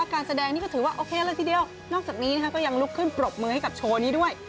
การแสดงนี่ก็ถือว่าโอเคเลยทีเดียวนอกจากนี้ก็ยังลุกขึ้นปรบมือให้กับโชว์นี้ด้วย